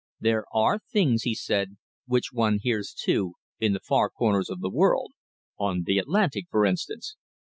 "There are things," he said, "which one hears, too, in the far corners of the world on the Atlantic, for instance."